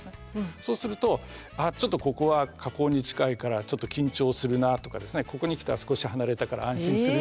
そうするとああちょっとここは火口に近いからちょっと緊張するなとかここに来たら少し離れたから安心するなとかですね。